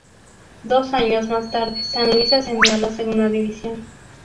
Dos años más tarde San Luis ascendió a la segunda división.